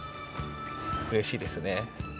うれしいですよね。